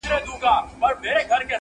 د پسرلي وريځو به .!